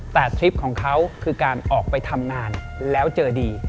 แต่ทริปของเขาคือการออกไปทำงานแล้วเจอดี